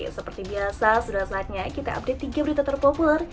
seperti biasa sudah saatnya kita update tiga berita terpopuler